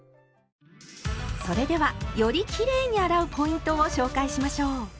それではよりきれいに洗うポイントを紹介しましょう。